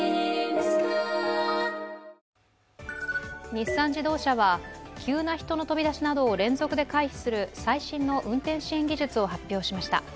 日産自動車は、急な人の飛び出しなどを連続で回避する最新の運転支援技術を発表しました。